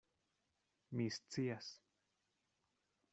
Mi scias.